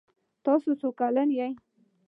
تاسو څو کلن یې؟